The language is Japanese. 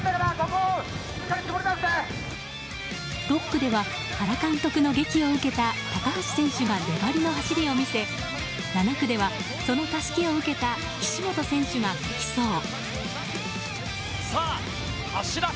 トップでは原監督の檄を受けた高橋選手が粘りの走りを見せ７区ではそのたすきを受けた岸本選手が激走。